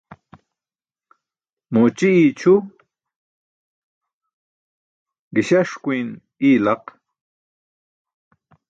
Mooči iyi cʰu, gi̇śaṣkuyn iyi laq.